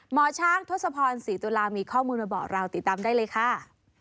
หมอช้างทศพรศรีตุลามีข้อมูลมาบอกเราติดตามได้เลยค่ะ